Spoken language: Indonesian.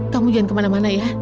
kamu jangan kemana mana ya